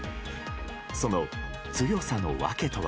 その強さの訳とは。